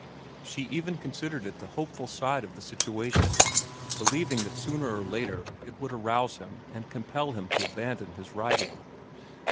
She even considered it the hopeful side of the situation, believing that sooner or later it would arouse him and compel him to abandon his writing.